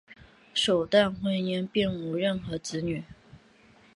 首段婚姻并无任何子女。